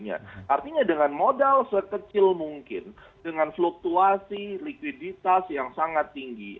artinya dengan modal sekecil mungkin dengan fluktuasi likuiditas yang sangat tinggi